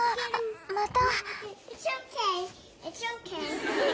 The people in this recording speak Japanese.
また。